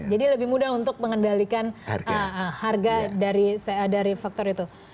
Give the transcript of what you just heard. jadi lebih mudah untuk mengendalikan harga dari faktor itu